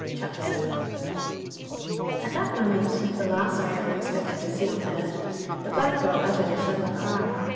CHAPTER VII "'AT that moment, the last I ever expected to see on earth, the black girl uttered a sudden cry.